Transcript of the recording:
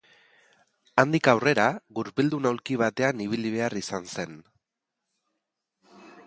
Handik aurrera, gurpildun aulki batean ibili behar izan zen.